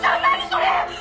それ！